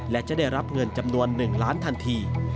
และจะได้รับเงินจำนวน๑ล้านทันที